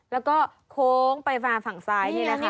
แล้วก็โค้งไปฝั่งฝั่งซ้ายนี่นะคะ